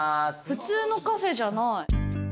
普通のカフェじゃない。